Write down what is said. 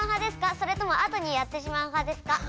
それとも後にやってしまうはですか？